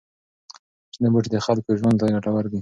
شنه بوټي د خلکو ژوند ته ګټور دي.